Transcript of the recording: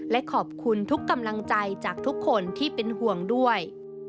และขอบคุณทุกกำลังใจจากทุกคนที่เป็นห่วงด้วย